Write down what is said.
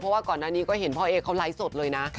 เพราะว่าก่อนหน้านี้ก็เห็นพ่อเอ๊เขาไลฟ์สดเลยนะ